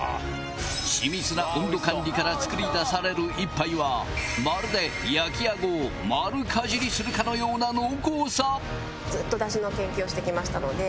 緻密な温度管理から作り出される一杯はまるで焼きあごを丸齧りするかのような濃厚さ